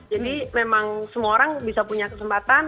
jadi memang semua orang bisa punya kesempatan